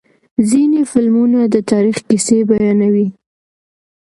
ځینې فلمونه د تاریخ کیسې بیانوي.